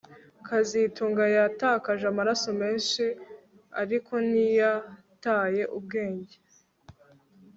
kazitunga yatakaje amaraso menshi ariko ntiyataye ubwenge